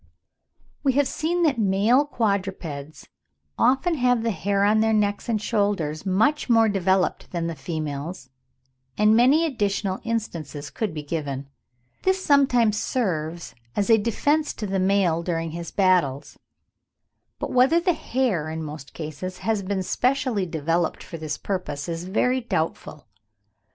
We have seen that male quadrupeds often have the hair on their necks and shoulders much more developed than the females; and many additional instances could be given. This sometimes serves as a defence to the male during his battles; but whether the hair in most cases has been specially developed for this purpose, is very doubtful.